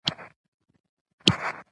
په ندرت سره پيدا کېږي